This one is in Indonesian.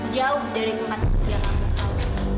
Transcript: jauh dari tempat kerja kamu